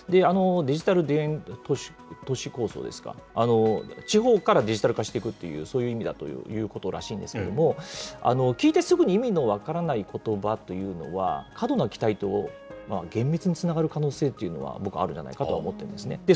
デジタル田園都市構想ですか、地方からデジタル化していくという、そういう意味だということらしいんですけど、聞いてすぐに意味の分からないことばというのは、過度な期待と厳密につながる可能性というのは、僕はあるんじゃないかと思っているんですね。